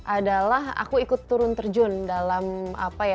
adalah aku ikut turun terjun dalam apa ya